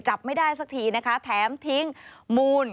จับไม่ได้สักทีนะคะแถมทิ้งมูล